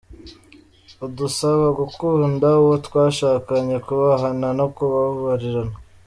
Adusaba gukunda uwo twashakanye, kubahana no kubabarirana.